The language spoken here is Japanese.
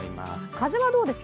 風はどうですか。